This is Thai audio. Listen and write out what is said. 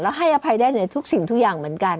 แล้วให้อภัยได้ในทุกสิ่งทุกอย่างเหมือนกัน